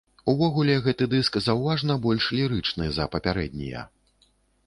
Увогуле гэты дыск заўважна больш лірычны за папярэднія.